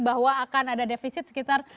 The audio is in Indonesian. bahwa akan ada defisit sekitar